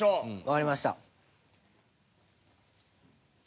わかりました。